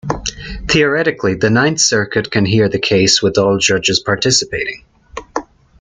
Theoretically, the Ninth Circuit can hear the case with all judges participating.